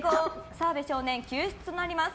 澤部少年救出となります。